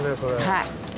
はい。